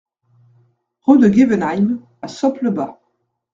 Rue de Guewenheim à Soppe-le-Bas